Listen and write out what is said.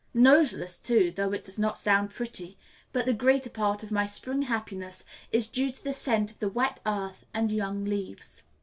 Noseless too, though it does not sound pretty; but the greater part of my spring happiness is due to the scent of the wet earth and young leaves.